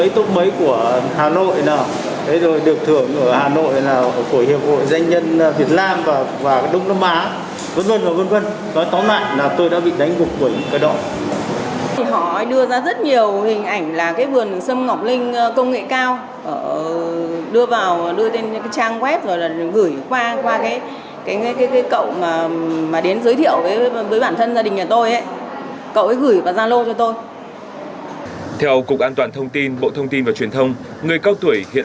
trong tầng điểm của họ quá giỏi